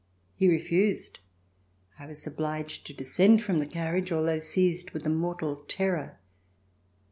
He refused. I was obliged to descend from the carriage, although seized with a mortal terror.